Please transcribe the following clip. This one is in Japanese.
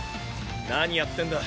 何やってんだ。